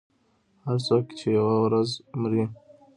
• هر څوک چې یوه ورځ مري.